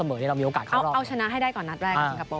เอาชนะให้ได้ก่อนนัดแรกสิงคโปร์